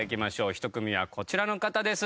１組目はこちらの方です。